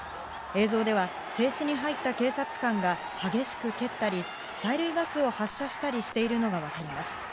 映像では、制止に入った警察官が、激しく蹴ったり、催涙ガスを発射したりしているのが分かります。